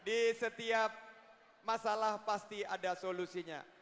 di setiap masalah pasti ada solusinya